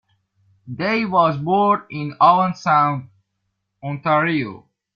Day was born in Owen Sound, Ontario.